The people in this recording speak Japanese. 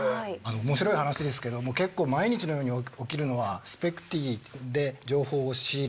面白い話ですけども結構毎日のように起きるのはスペクティで情報を仕入れた。